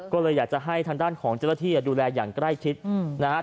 ก็เลยอยากจะให้ทางด้านของเจ้าหน้าที่ดูแลอย่างใกล้ชิดนะฮะ